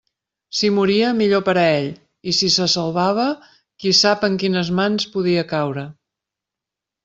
Si moria, millor per a ell; i si se salvava, qui sap en quines mans podia caure!